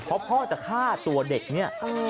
เพราะพ่อจะฆ่าตัวเด็กเนี่ย